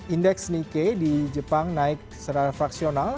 indeks nike di jepang naik secara fraksional